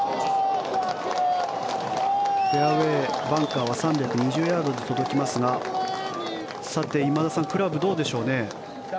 フェアウェーバンカーは３２０ヤードで届きますがさて、今田さんクラブどうでしょうね？